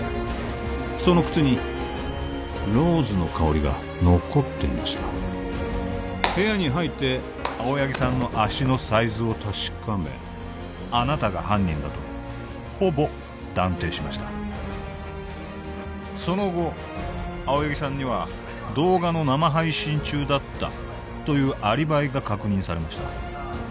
その靴にローズの香りが残っていました部屋に入って青柳さんの足のサイズを確かめあなたが犯人だとほぼ断定しましたその後青柳さんには動画の生配信中だったというアリバイが確認されました